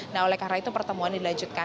nah oleh karena itu pertemuan dilanjutkan